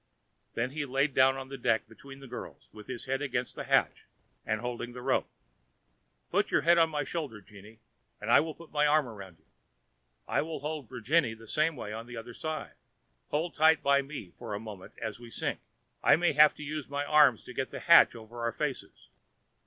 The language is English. Then he lay down on the deck between the girls, with his head against the hatch and holding the rope. "Put your head on my shoulder, Jeanne, and I will put my arm round you. I will hold Virginie the same way the other side. Hold tight by me for a moment as we sink. I may have to use my arms to get the hatch over our faces.